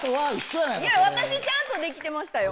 私ちゃんとできてましたよ。